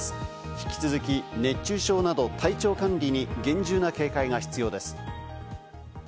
引き続き、熱中症など体調管理に厳重な警戒が必要です。